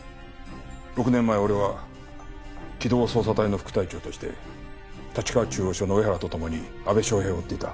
６年前俺は機動捜査隊の副隊長として立川中央署の上原とともに阿部祥平を追っていた。